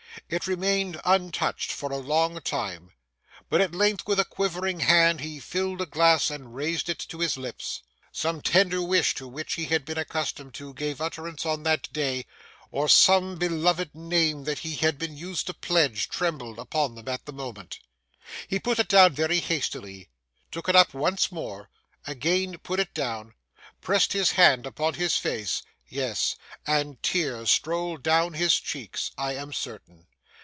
It remained untouched for a long time, but at length with a quivering hand he filled a glass and raised it to his lips. Some tender wish to which he had been accustomed to give utterance on that day, or some beloved name that he had been used to pledge, trembled upon them at the moment. He put it down very hastily—took it up once more—again put it down—pressed his hand upon his face—yes—and tears stole down his cheeks, I am certain.